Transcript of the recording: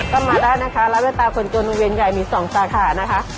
ก็มาได้นะคะระเวียดตาคนโจมตร์เวียนใหญ่มี๒สาขานะคะ